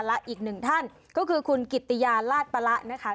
และอีกหนึ่งท่านก็คือคุณกิตติยาลาดประละนะคะ